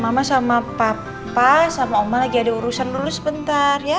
mama sama papa sama oma lagi ada urusan lulus sebentar ya